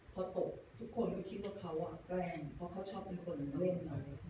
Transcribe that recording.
พอตกทุกคนก็คิดว่าเขาแกร่งเพราะเขาชอบเป็นคนโรคน้อย